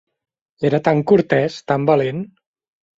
Era tan cortès, tan valent!